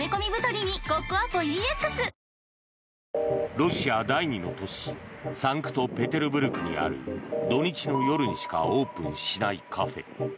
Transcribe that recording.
ロシア第２の都市サンクトペテルブルクにある土日の夜にしかオープンしないカフェ。